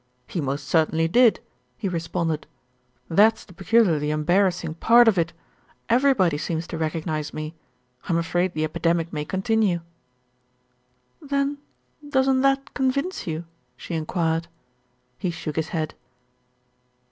"He most certainly did," he responded. "That's the peculiarly embarrassing part of it. Everybody seems to recognise me. I'm afraid the epidemic may continue." "Then doesn't that convince you?" she enquired. He shook his head.